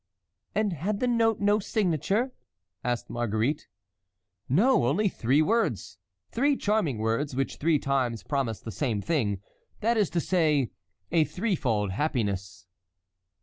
'" "And had the note no signature?" asked Marguerite. "No; only three words—three charming words which three times promised the same thing, that is to say, a three fold happiness."